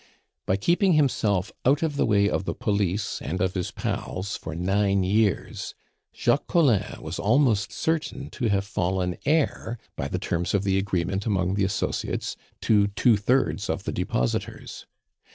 By keeping himself out of the way of the police and of his pals for nine years, Jacques Collin was almost certain to have fallen heir, by the terms of the agreement among the associates, to two thirds of the depositors.